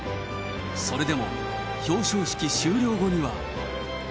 それでも表彰式終了後には。